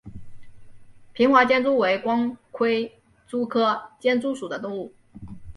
平滑间蛛为光盔蛛科间蛛属的动物。